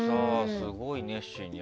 すごい熱心に。